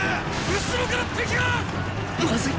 後ろから敵がっ！